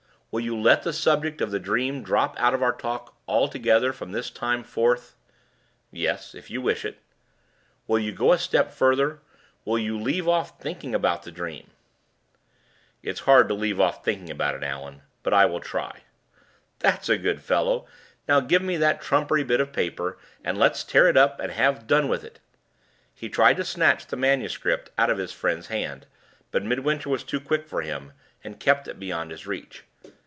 Will you let the subject of the dream drop out of our talk altogether from this time forth?" "Yes, if you wish it." "Will you go a step further? Will you leave off thinking about the dream?" "It's hard to leave off thinking about it, Allan. But I will try." "That's a good fellow! Now give me that trumpery bit of paper, and let's tear it up, and have done with it." He tried to snatch the manuscript out of his friend's hand; but Midwinter was too quick for him, and kept it beyond his reach.